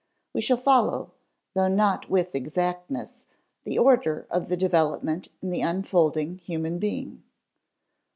We shall follow, though not with exactness, the order of development in the unfolding human being.